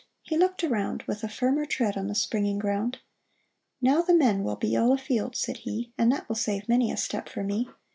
He looked around, Witli a firmer tread on the springing ground ; "Now the men will be all a field," said he, "And that will save many a step for me.